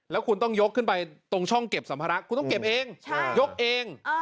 แล้วคุณต้องยกขึ้นไปตรงช่องเก็บสัมภาระคุณต้องเก็บเองยกเอง